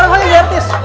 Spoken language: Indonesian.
gimana rasanya jadi artis